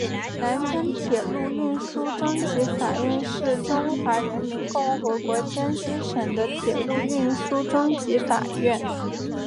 南昌铁路运输中级法院是中华人民共和国江西省的铁路运输中级法院。